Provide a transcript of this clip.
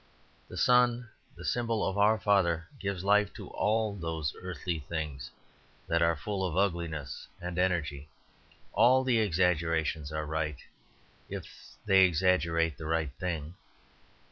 The sun, the symbol of our father, gives life to all those earthly things that are full of ugliness and energy. All the exaggerations are right, if they exaggerate the right thing.